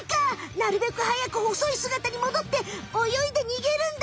なるべくはやくほそい姿にもどって泳いで逃げるんだ。